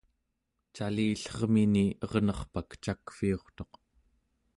calillermini ernerpak cakviurtuq